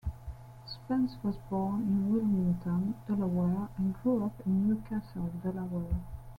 Spence was born in Wilmington, Delaware and grew up in New Castle, Delaware.